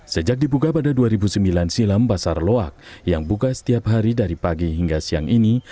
sejak dibuka pada dua ribu sembilan silam pasar loak yang buka setiap hari dari pagi hingga siang ini